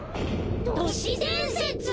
都市伝説！？